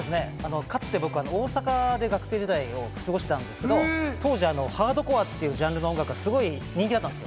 かつて僕、大阪で学生時代を過ごしたんですけど、当時、ハードコアってジャンルの音楽が人気だったんですよ。